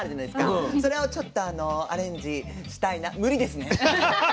それをちょっとアレンジしたいな無理ですね。